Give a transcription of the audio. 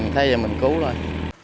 thế giờ mình cứu rồi